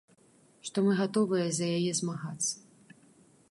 Што мы гатовыя за яе змагацца.